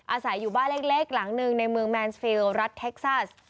อาศัยอยู่บ้านเล็กหลังหนึ่งในเมืองแมนซิลรัฐเท็กซัส